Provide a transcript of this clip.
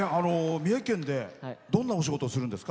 三重県でどんなお仕事をするんですか？